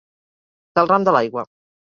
Del ram de l'aigua.